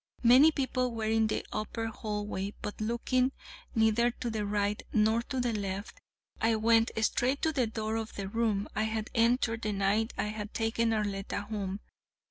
Many people were in the upper hall way, but looking neither to the right nor to the left, I went straight to the door of the room I had entered the night I had taken Arletta home.